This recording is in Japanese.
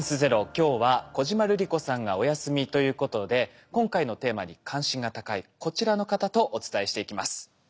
今日は小島瑠璃子さんがお休みということで今回のテーマに関心が高いこちらの方とお伝えしていきます。